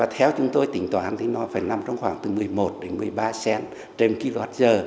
theo chúng tôi tính toán thì nó phải nằm trong khoảng từ một mươi một đến một mươi ba cent trên kwh